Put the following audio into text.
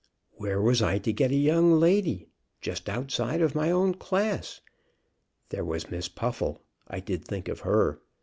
"Where was I to get a young lady just outside of my own class? There was Miss Puffle. I did think of her.